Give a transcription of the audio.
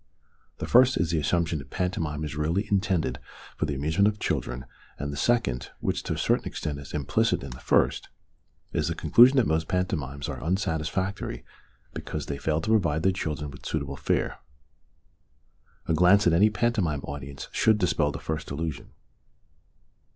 The first is the assumption that pantomime is really intended for the amusement of children, and the second (which to a certain extent is implicit in the first) is the con clusion that most pantomimes are unsatis factory because they fail to provide the children with suitable fare. A glance at any pantomime audience should dispel the first illusion.